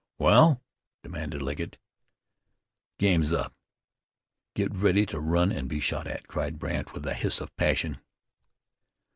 "Wal?" demanded Legget. "The game's up! Get ready to run and be shot at," cried Brandt with a hiss of passion.